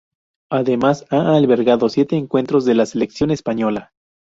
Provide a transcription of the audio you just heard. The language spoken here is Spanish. Además ha albergado siete encuentros de la selección española.